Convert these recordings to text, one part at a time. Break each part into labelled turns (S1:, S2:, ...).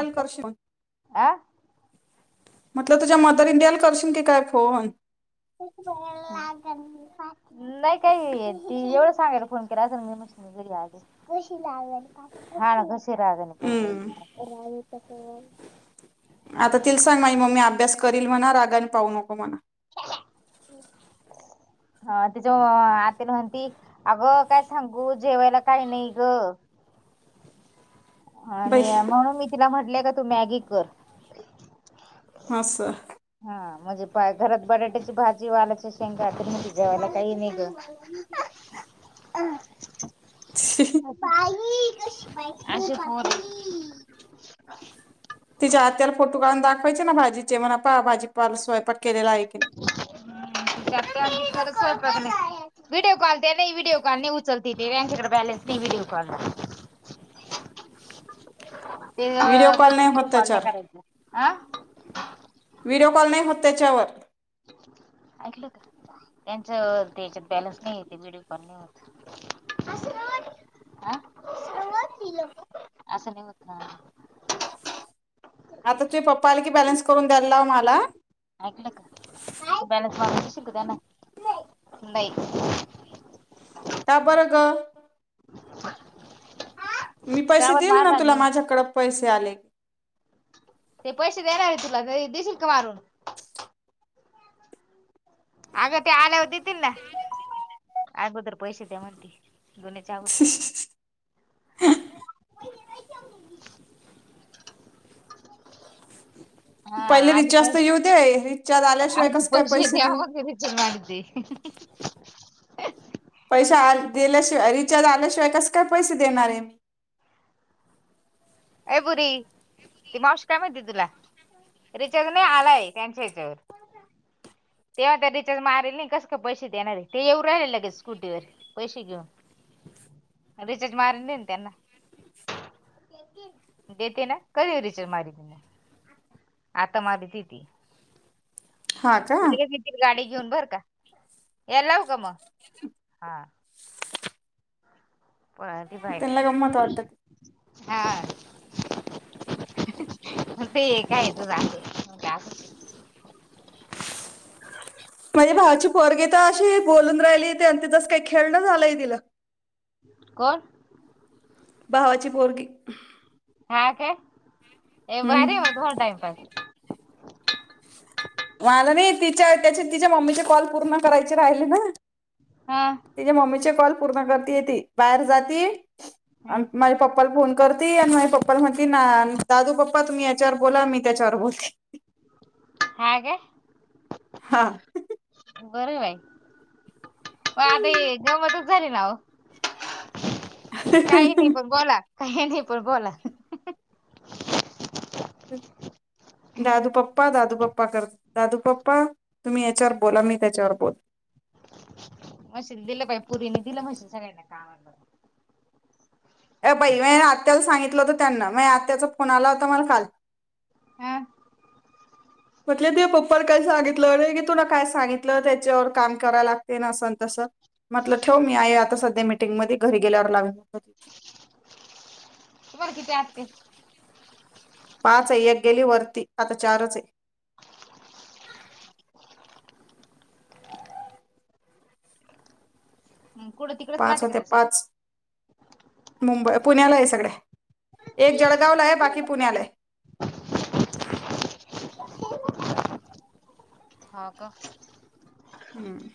S1: इंडियाला करशील
S2: आ
S1: म्हटलं तुझ्या मदर इंडियाला करशील की काय फोन.
S2: ते नाही काही ती एवढं सांगायला फोन केला अस मी म घरी आली कशी ला शिरागने
S1: हम्म
S2: प
S1: आता तिला सांग माई मम्मी अभ्यास करील म्हणा रागाने पाहू नको म्हणा.
S2: हम्, हा तिच्या आतील म्हतीी अगं काय सांगू जेवायला काही नाही ग. थ
S1: बाई
S2: आणि म्हणून मी तिला म्हंटलेय का तू मॅगी कर.
S1: ह, स
S2: हा म्हणजे पा घरात बटाट्याची भाजी वाल्याच्या शेंगा मी जेवायला काही नाहीघ. पाई असश
S1: तिच्या आत्याला फोटो काढून दाखवायचे ना भाजीचे म्हणा पा भाजी स्वयंपाक केलेला आहे
S2: तिच्या आत्या म्हणती खरंच स्वयंपाक व्हिडिओ कॉल ते नाही, व्हिडिओ कॉल नाही, उचलते तेँकडे बॅलेन्स नाही व्हडडीिओ कॉल. ण ते
S1: व्हिडिओ
S2: मग
S1: कॉल
S2: त्या
S1: नाही
S2: व्हडिओ
S1: होत
S2: कॉल नाही
S1: त्याच्यावर
S2: करायचा ह.
S1: व्हिडिओ कॉल नाही होत त्याच्यावर.
S2: ऐकलं का त्यांच त्याच्यात बॅलन्स नाही येत व्हिडिओ कॉल नाही होत. ण असं नाही होत.
S1: आता तुझ पप्पा आली की बॅन्स करून. द्यायला लाव मला
S2: बॅलन्स मारून नाही
S1: त्या बरं ग मी
S2: का
S1: पैसे
S2: बरं
S1: देईल ना
S2: मारणार
S1: तुला
S2: नाही
S1: माझ्याकड पैसे आले.
S2: ते पैसे देणार आहे तुला दिशील का मारून. अगं ते आल्यावर देतील ना अगोदर पैसे ते म्हणते दोन्या वररतरी
S1: पहिले रिचार्ज रिचार्ज
S2: अ
S1: आल्याशिवाय कसं काय
S2: पोष
S1: पैसे देऊ
S2: यावग रेचल मे
S1: पैसा आ दिल्याशिवाय रिचार्ज आल्याशिवाय कसं काय पैसे देणार आहे
S2: ए बुरी ती मावशी कामती तुला रिचारज नाही आलाय त्यांच्या हच्यावर तेव्हा त्या रिचार्ज मारल नाही कस का पैसे देणारे ते येऊ राहिल लगेच स्कूटी वर पैसे घेऊन रिचर्ज मारन त्यां त्यांना देते ना कधी रिच मारी त म आता मारी ति ते
S1: हा का
S2: िथ गाडी घेऊन बर का यायला लाव का मग हा प बाहेर
S1: त्यांना गंमत वाटत
S2: हा ते का येत जा
S1: माझे भावाची पगेता अशी बोलून राहिली ते अंत जस काही खेळण झालंय तिला
S2: करण
S1: भावाची बोरगी
S2: हा का ए बाहेर म त टाइमप
S1: मला नाही तिच्या त्याचे तिच्या मम्मीचे कॉल पूर्ण करायचे राहिले ना
S2: हा
S1: तिच्या मम्मीचे कॉल पूर्ण करती येते बाहेर जाती
S2: हं.
S1: आणि माझ्या पप्पाला फोन करती आणि माझ पप्पाला म्हणती ना दादू पप्पा तुम्ही याच्यावर बोला मी त्याच्यावर बोलते
S2: हे
S1: हा
S2: बर बाई म आता गमतच झाली ना हो काही नाही पण बोला काही नाही पण बोला
S1: दादूप्पा दादूप्पा कर दादू पप्पा तुम्ही याच्यावर बोला मी त्याच्यावर बोल
S2: म्हश दिलं पाई पुरीने दिलं म्हश सगळ्यांना कालं
S1: अ बाई मी आत्याला सांगितलं होत त्यांना म आत्याचा फोन आला होता मला काल
S2: आह
S1: म्हटलं दे पप्पाला काय सांगितलं की तुला काय सांगितलं त्याच्यावर काम करायला लागते ना असन तसं म्हटलं ठेव मी आई आता सध्या मीटिंगमध्ये घरी गेल्यावर लागून
S2: बर किती आत ते
S1: पाच आहे एक गेली वरती आता चारच आहे
S2: हं, कुठं तिकडेच
S1: पाच
S2: राहते का
S1: होत्या
S2: त्या साईड
S1: पाच मुंबई पुण्याला आहे सगळ्या एक जळगावलाय बाकी पुण्यालाय
S2: हो का
S1: हम्म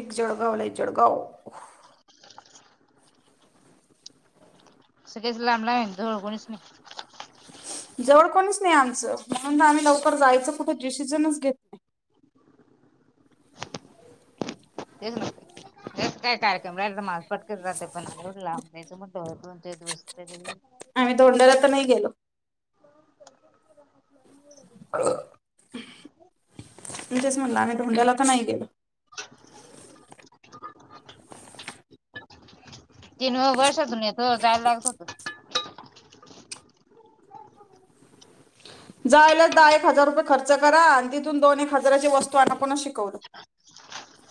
S1: एक जळगावला जळगाव
S2: असगच लांबला आहे ळ कोणच नाही
S1: जवळ कोणीच नाही आमचं म्हणून आम्ही लवकर जायचं कुठं डिसिजनच घेत
S2: ह तेस जस काय कार्यक्रम राहि माल पटकत जाते पण आवडला म्हणस
S1: आम्ही तोंडाऱ तर नाही गेलो तुस म्हणल आम्ही धोंड्याला तर नाही गे
S2: [unintelligible] तेन वर्षतुूनथो चाल लागत होत
S1: जायला दहा एक हजार रुपये खर्च करा आणि तिथून दोन एक हजाराची वस्तू आण पणच शिकवलं
S2: [unintelligible]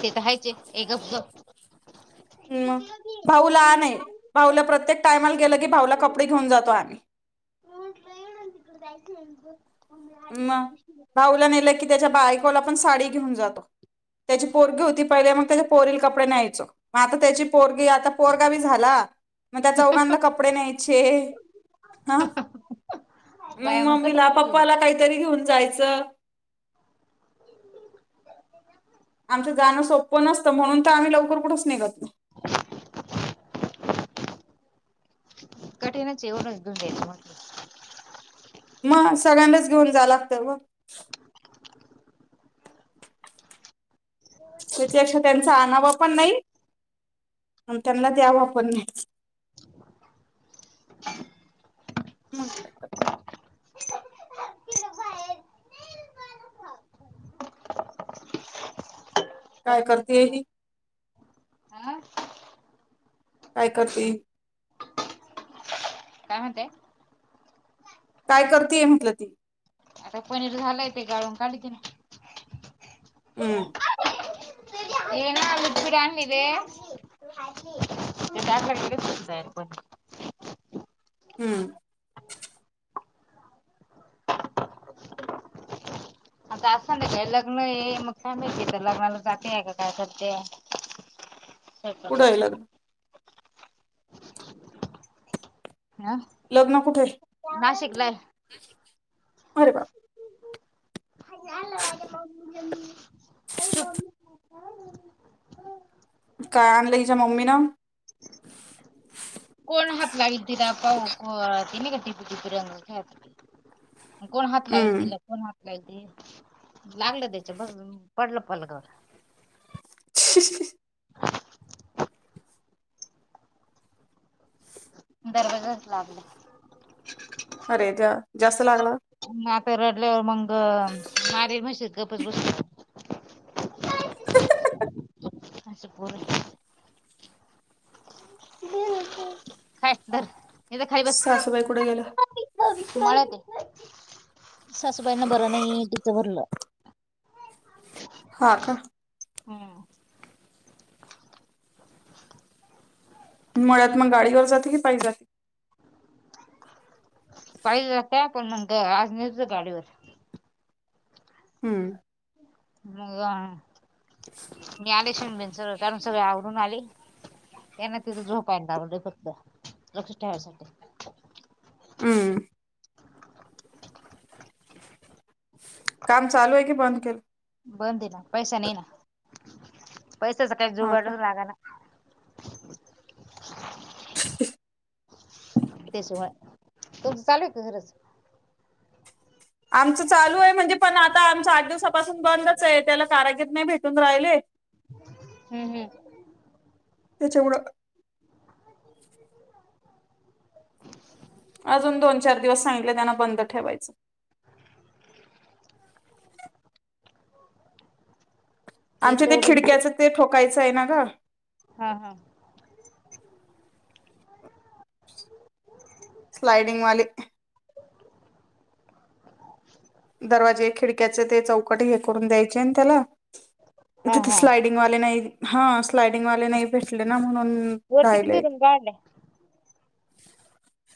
S2: ते तरहाायचे एकप् ग
S1: हम्म भाऊला नाही भाऊला प्रत्येक टायमाला गेलं की भाऊला कपडे घेऊन जातो आम्ही
S2: हो [unintelligible]
S1: म भाऊला नेलं की त्याच्या बायकोला पण साडी घेऊन जातो. त्याची पोरगी होती पहिले म त्याच्या पोरील कपडे न्यायचं मग आता त्याची पोरगी आता पोरगा बी झाला. मग त्या चौघांना कपडे न्यायचे हा मग
S2: बाया
S1: मम्मीला
S2: कठीणच
S1: पप्पाला
S2: आहे
S1: काही तरी घेऊन जायच. आमचं जाणं सोपं नसतं म्हणून त आम्ही लवकर कुठच निघत नाही.
S2: [unintelligible] कठीणच आहे हॊ घेऊन जायचं म्हटलं की
S1: मग सगळ्यांनाच घेऊन जाव लागतं ब. त्याच्यापेक्षा त्यांचा आनावं पण नाही. आणि त्यांना द्यावं पण नाही. मग
S2: [unintelligible]
S1: काय
S2: कठीणच
S1: करते
S2: आहे मग
S1: ही.
S2: हा
S1: काय करते ही.
S2: काय म्हणते
S1: काय करतीये म्हटलं ती.
S2: त पनीर झालंय ते गाळून काढलं तिनी.
S1: हम्म.
S2: येना ल बिराण इ [unintelligible] त्यासाठीचच जा पण.
S1: हम्म.
S2: आता आज संद्याकाळी लग्न ये म काय माहिती तर लग्नाला जातय का काय करते. हे का
S1: कुठं आहे लग्न
S2: म
S1: लग्न कुठे
S2: नाशिकला आहे.
S1: आरे बाप
S2: आहे चुप
S1: काय आणलं हिच्या मम्मी नं.
S2: हाात लागतिर प तेनी काातर [unintelligible] कोण हात लाविल
S1: हम्म
S2: तिला ती लागलं त्याच्या बस पडलं पलगावर.
S1: [unintelligible]
S2: दरवाजाच लागला.
S1: अरे त्या जास्त लागल.
S2: आता रडल्यावर मग मारी म्हशी गपच बस सं बोल हे धर इथं खाई बस.
S1: सासूबाई कुठे गेल्या
S2: माळा ते सासूबाईंना बरं नाही तिचं भरलं.
S1: हा का.
S2: हम्म
S1: मळ्यात मग गाडीवर जाते की पायी जाते?
S2: पाहि जात्या पण मग ग आज नेचं गाडीवर.
S1: हम्म.
S2: मग मी आले शन बन सगळ कारण सगळे आवरून आले. त्यांना तिथं झोपाय लावलं फक्त लक्ष ठेवायसाठी.
S1: हम्म. काम चालू आहे की बंद केल?
S2: बंद दि ना पैसा नाही ना पैसाचा काही
S1: हा
S2: जुगाड
S1: का.
S2: लागना. त्याशिवाय तुमचं चालू आहे का घराच.
S1: आमचं चालू आहे म्हणजे पण आता आमच आठ दिवसापासून बंदच आहे त्याला कारागीर नाही भेटून राहिले.
S2: हम्.
S1: त्याच्यावढं अजून दोन चार दिवस सांगितले त्यांना बंद ठेवायचं आमच्या ते खिडक्याचं ते ठोकायचं आहे ना ग
S2: हम्म हम्म
S1: स्लाइडिंग वाले. दरवाजे खिडक्याचे ते चौकट हे करून द्यायचे ना त्याला.
S2: हा
S1: तिथे
S2: हा
S1: स्लाइडिंगवाले नाही हा स्लाइडिंगवाले नाही भेटले ना म्हणून.
S2: वरती किती
S1: राहिलय
S2: रूम काढले.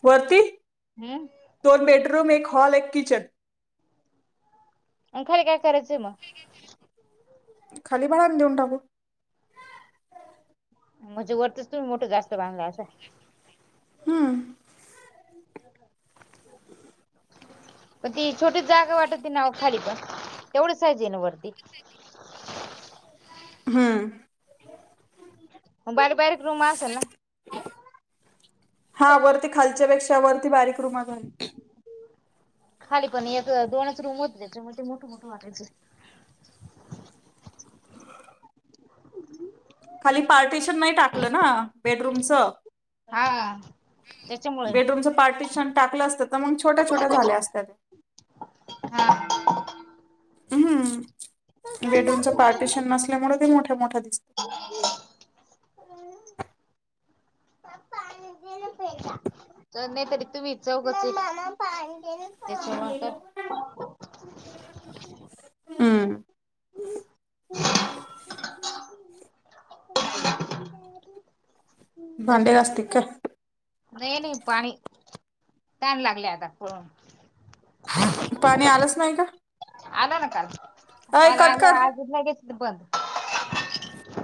S1: वरती
S2: हम्म
S1: दोन बेडरूम एक हॉल एक किचन
S2: आणि खाली काय. करायचंय मग?
S1: खाली भाड्याने देऊन टाकू.
S2: म्हणजे वरतीच तुम्ही मोठ जास्त बांधला असाल.
S1: हम्म
S2: [unintelligible] मग ती छोटी जागा वाटत त ना खाली पण तेवढंच साईझ आहे ना वरती [inaudible]
S1: हम्म
S2: बाारीक बारीक रूम असेल ना
S1: त्या वरती बारीक रुमा भर
S2: खाली पण एक दोनच रूम होत, त्याच्या मग ते मोठ मोठ वाटायचं [inaudible] [inaudible]
S1: रूमच.
S2: हा त्याच्यामुळे
S1: बेडरूम चा पार्टीशन टाकलं असतं मग छोट्या छोट्या झाल्या असत्यात.
S2: हा
S1: हम्म. बेडरूमच पार्टिशन नसल्यामुळे ते मोठ्या मोठ्या [unintelligible]
S2: पप्पा [unintelligible] तेच्यामुळं
S1: हम्म
S2: काय [inaudible] [inaudible]
S1: भांडे घासते कर
S2: नाही नाही पाणी. तहान लागली आता [unintelligible]
S1: पाणी आलंच नाही का
S2: आला ना काल.
S1: अय
S2: काल
S1: कट
S2: आला
S1: कर
S2: आज लगेच बंद